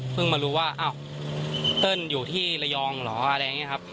มารู้ว่าอ้าวเติ้ลอยู่ที่ระยองเหรออะไรอย่างนี้ครับ